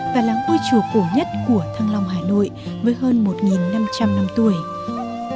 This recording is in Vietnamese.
và là ngôi chùa cổ nhất của thăng long hà nội với hơn một năm trăm linh năm tuổi